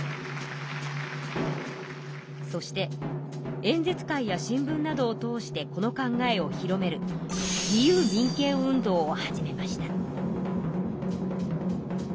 そして演説会や新聞などを通してこの考えを広める自由民権運動を始めました。